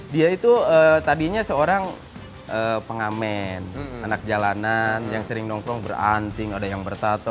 dia itu tadinya seorang pengamen anak jalanan yang sering nongkrong beranting ada yang bertato